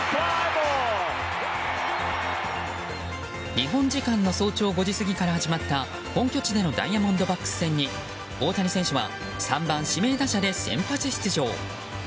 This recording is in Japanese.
日本時間の早朝５時過ぎから始まった本拠地でのダイヤモンドバックス戦に大谷選手は３番指名打者で先発出場。